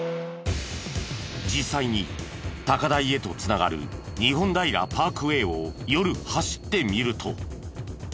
実際に高台へと繋がる日本平パークウェイを夜走ってみると。